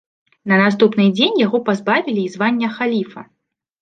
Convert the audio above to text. На наступны дзень яго пазбавілі і звання халіфа.